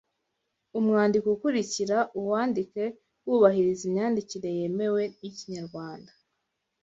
umwandiko ukurikira uwandike wubahiriza imyandikire yemewe y’Ikinyarwanda